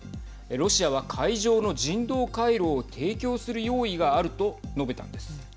ロシアは海上の人道回廊を提供する用意があると述べたんです。